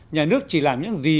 nhà nước chỉ làm những gì